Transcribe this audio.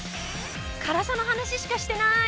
辛さの話しかしてない！